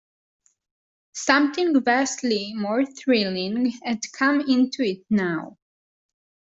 Something vastly more thrilling had come into it now.